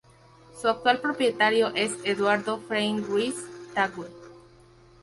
Su actual propietario es Eduardo Frei Ruiz-Tagle.